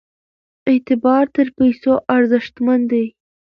اعتبار تر پیسو ارزښتمن دی.